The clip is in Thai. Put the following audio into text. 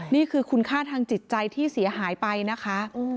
นี่คือคุณค่าทางจิตใจที่เสียหายไปนะคะ